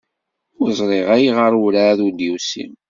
Ur ẓriɣ ayɣer werɛad ur d-yusi.